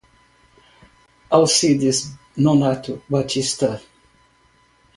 Alcides Nonato Batista